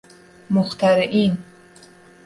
مخترعین